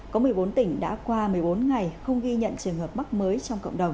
có một mươi bốn tỉnh đã qua một mươi bốn ngày không ghi nhận trường hợp mắc mới trong cộng đồng